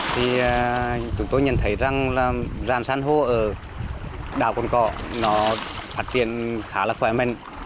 thì chúng tôi nhận thấy rằng rạn san hô ở đảo côn cỏ phát triển khá là khỏe mạnh